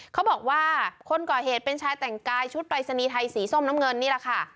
เขาบอกว่าคนก่อเหตุเป็นชายแต่งกายชุดปรายศนีย์ไทยสีส้มน้ำเงินนี่แหละค่ะ